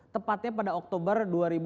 tepatnya pada oktober dua ribu sembilan belas